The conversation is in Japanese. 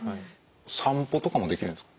散歩とかもできるんですか？